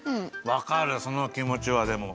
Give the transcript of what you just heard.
わかるそのきもちはでも。